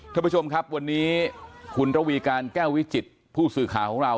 ท่านผู้ชมครับวันนี้คุณระวีการแก้ววิจิตผู้สื่อข่าวของเรา